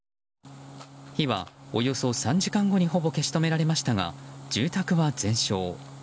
火はおよそ３時間後にほぼ消し止められましたが住宅は全焼。